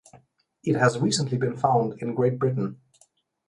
It has recently been found in Great Britain.